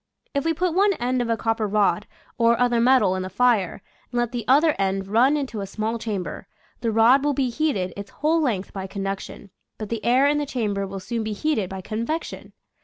If we put one end of a copper rod or other metal in the fire and let the other end run into a small chamber, the rod will be heated its whole length by conduction, but the air in the cham ber will soon be heated by convection.